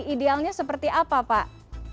idealnya seperti apa pak